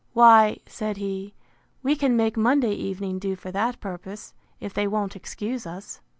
Why, said he, we can make Monday evening do for that purpose, if they won't excuse us.